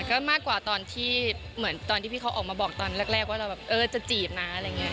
ก็มากกว่าตอนที่พี่เขาออกมาบอกตอนแรกว่าเราจะจีบนะอะไรอย่างนี้